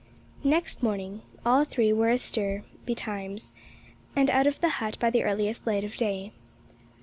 Next morning all three were astir betimes, and out of the hut by the earliest light of day.